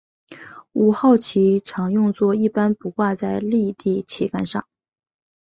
五号旗常用作一般不挂在立地旗杆上。